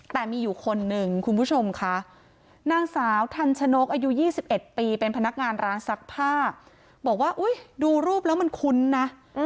แต่มีอยู่คนหนึ่งคุณผู้ชมค่ะนางสาวทันชนกอายุ๒๑ปีเป็นพนักงานร้านซักผ้าบอกว่าอุ๊ยดูรูปแล้วมันคุ้นนะ